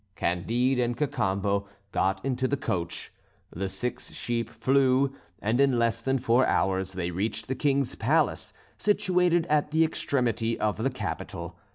Candide and Cacambo got into the coach, the six sheep flew, and in less than four hours they reached the King's palace situated at the extremity of the capital.